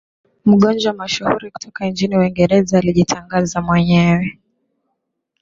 mgonjwa mashuhuri kutoka nchini uingereza alijitangaza mwenyewe